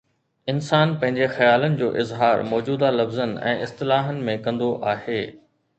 انسان پنهنجي خيالن جو اظهار موجوده لفظن ۽ اصطلاحن ۾ ڪندو آهي.